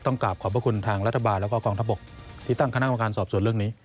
กลับขอบพระคุณทางรัฐบาลแล้วก็กองทัพบกที่ตั้งคณะกรรมการสอบส่วนเรื่องนี้